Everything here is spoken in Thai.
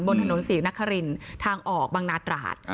บนถนนศรีนครินทางออกบางนาตราด